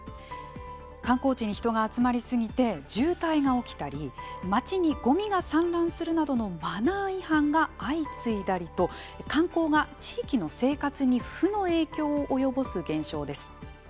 観光地に人が集まり過ぎて渋滞が起きたり街にゴミが散乱するなどのマナー違反が相次いだりと観光が地域の生活に負の影響を及ぼす現象です。